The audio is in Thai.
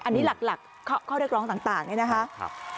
อันนี้หลักข้อเรียกร้องต่างนี่นะคะ